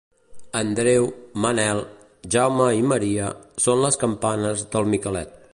Andreu, Manel, Jaume i Maria, són les campanes del Micalet.